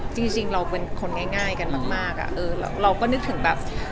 จริงเราเป็นคนง่ายกันมากเราก็นึกถึงแบบ